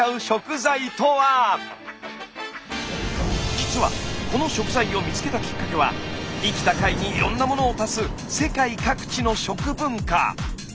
実はこの食材を見つけたきっかけは生きた貝にいろんなものを足す世界各地の食文化。